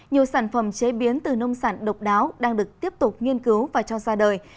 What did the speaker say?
nhiều sản phẩm chế biến từ nông sản độc đáo đang được tiếp tục nghiên cứu và cho ra đời